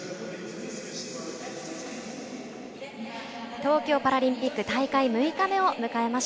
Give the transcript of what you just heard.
東京パラリンピック大会６日目です。